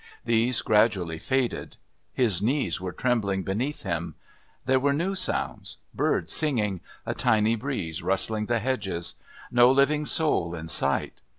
These gradually faded. His knees were trembling beneath him. There were new sounds birds singing, a tiny breeze rustling the hedges. No living soul in sight.